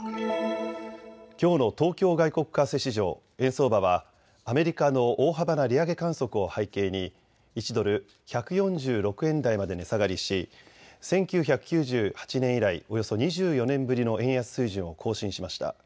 きょうの東京外国為替市場、円相場はアメリカの大幅な利上げ観測を背景に１ドル１４６円台まで値下がりし、１９９８年以来、およそ２４年ぶりの円安水準を更新しました。